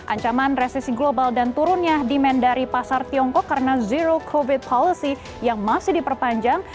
ancaman resesi global dan turunnya demandari pasar tiongkok karena zero covid policy yang masih diperpanjang